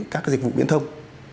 các dịch vụ biển thông